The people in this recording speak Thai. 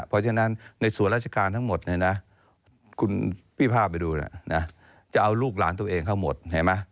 เพราะฉะนั้นในส่วนราชการทั้งหมดเนี่ยนะคุณพี่ภาพไปดูนะจะเอาลูกหลานตัวเองเข้าหมดเห็นไหม